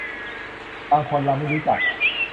บางคนเราก็ไม่รู้จัก